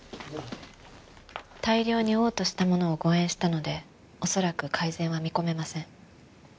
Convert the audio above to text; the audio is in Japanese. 大量に嘔吐したものを誤嚥したので恐らく改善は見込めません。